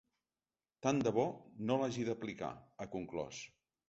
Tan de bo no l’hagi d’aplicar, ha conclòs.